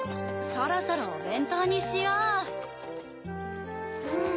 そろそろおべんとうにしよう。